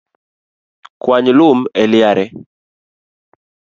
Kwany lum e liare